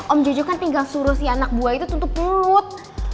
om jojo kan tinggal suruh si anak buah itu tutup mulut